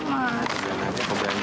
mas apa lagi pelan pelan mas